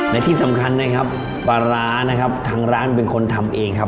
และที่สำคัญนะครับปลาร้านะครับทางร้านเป็นคนทำเองครับ